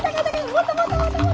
もっともっともっと！